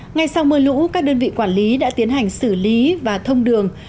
ngay sau mưa lũ các đơn vị quản lý đã tiến hành xử lý và thông đường